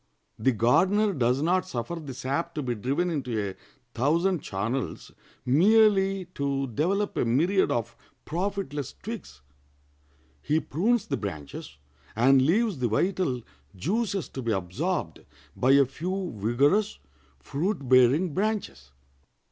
The gardener does not suffer the sap to be driven into a thousand channels merely to develop a myriad of profitless twigs. He prunes the branches, and leaves the vital juices to be absorbed by a few vigorous, fruit bearing branches.